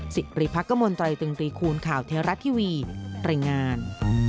สิริพักกมลตรายตึงตรีคูณข่าวเทวรัฐทีวีรายงาน